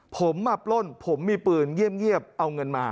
ผมอับร่นผมมีปืนเยี่ยมเอาเงินมา